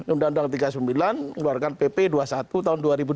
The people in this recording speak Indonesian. undang undang tiga puluh sembilan keluarkan pp dua puluh satu tahun dua ribu dua